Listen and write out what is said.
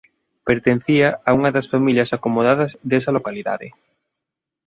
Pertencía a unha das familias acomodadas desa localidade.